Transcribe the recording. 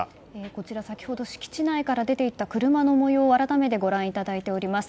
こちら、先ほど敷地内から出ていった車の模様を改めてご覧いただいています。